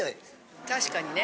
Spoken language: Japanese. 確かにね。